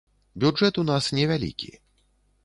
Бюджэт у нас невялікі.